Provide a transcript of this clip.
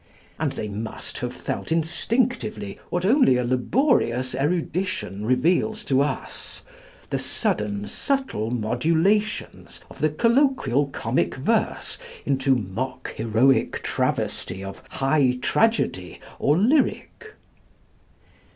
And they must have felt instinctively what only a laborious erudition reveals to us, the sudden subtle modulations of the colloquial comic verse into mock heroic travesty of high tragedy or lyric.